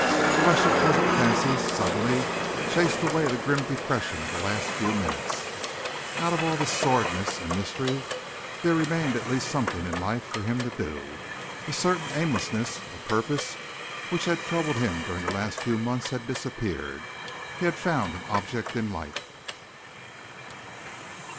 A rush of pleasant fancies suddenly chased away the grim depression of the last few minutes. Out of all this sordidness and mystery there remained at least something in life for him to do. A certain aimlessness of purpose which had troubled him during the last few months had disappeared. He had found an object in life.